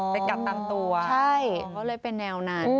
อ๋อเป็นกัดตามตัวใช่ก็เลยเป็นแนวนั้น